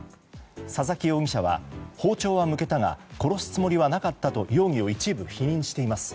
佐々木容疑者は、包丁は向けたが殺すつもりはなかったと容疑を一部否認しています。